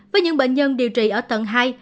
với những bệnh nhân điều trị ở tầng hai